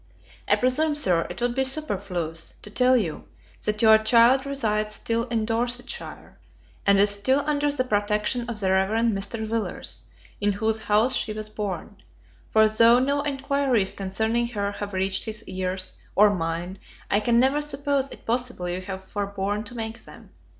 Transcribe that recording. I presume, Sir, it would be superfluous to tell you, that your child resides still in Dorsetshire, and is still under the protection of the Reverend Mr. Villars, in whose house she was born: for, though no enquiries concerning her have reached his ears, or mine, I can never suppose it possible you have forborne to make them.